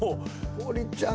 堀ちゃん